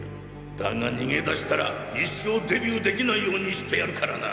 だが逃げ出したら一生デビューできないようにしてやるからな。